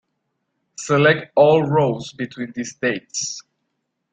Select all rows between these dates.